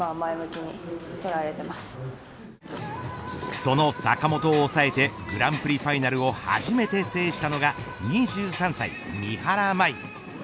その坂本を抑えてグランプリファイナルを初めて制したのが２３歳、三原舞依。